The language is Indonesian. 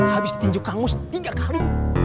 habis ditinjuk kangmus tiga kali